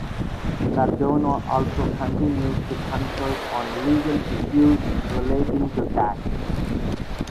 Cardona also continues to consult on legal issues relating to tax.